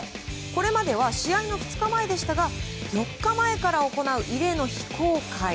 これまでは試合の２日前でしたが４日前から行う異例の非公開。